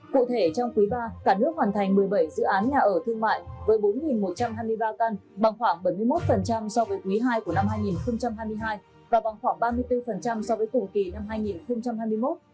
cụ thể trong quý ba cả nước hoàn thành một mươi bảy dự án nhà ở thương mại với bốn một trăm hai mươi ba căn bằng khoảng bảy mươi một so với quý ii của năm hai nghìn hai mươi hai và bằng khoảng ba mươi bốn so với cùng kỳ năm hai nghìn hai mươi một